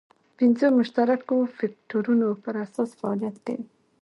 پنځو مشترکو فکټورونو پر اساس فعالیت کوي.